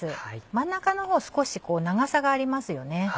真ん中の方少し長さがありますよね。